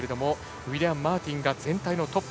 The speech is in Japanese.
ウィリアム・マーティンが全体トップ。